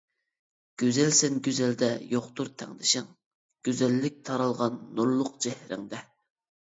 گۈزەلسەن گۈزەلدە يوقتۇر تەڭدىشىڭ، گۈزەللىك تارالغان نۇرلۇق چېھرىڭدە.